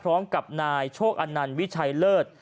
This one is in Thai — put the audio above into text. พร้อมกับนายโชคอันนันต์วิชัยเลิศ